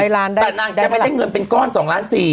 แต่นั่นจะไม่ได้เงินเป็นก้อน๒๔๐๐๐๐๐บาท